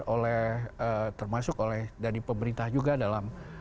oleh termasuk oleh dari pemerintah juga dalam